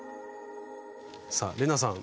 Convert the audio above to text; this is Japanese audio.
さあ玲奈さん